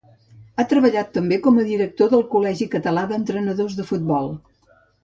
Ha treballat també com a director del col·legi català d'entrenadors de futbol.